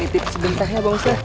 dititip sebentar ya bang ustadz